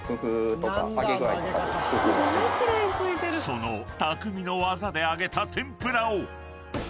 ［その匠の技で揚げた天ぷらを］